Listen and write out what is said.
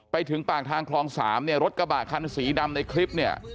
ไปถึงปากทางคลอง๓เนี่ยรถกระบะคันสีดำในคลิปเนี่ย